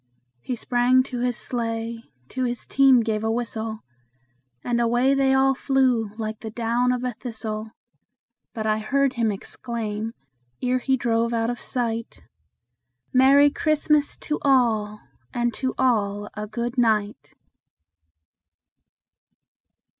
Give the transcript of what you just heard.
He sprang to his sleigh, to his team gave a whistle, And away they all flew like the down of a thistle; But I heard him exclaim, ere he drove out of sight, "Merry Christmas to all, and to all a good night!"